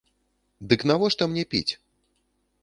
Дык навошта мне піць?